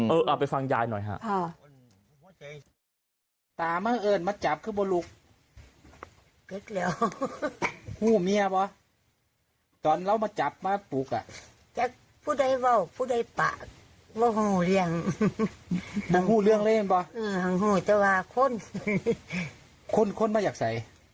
เอาไปฟังยายหน่อยฮะ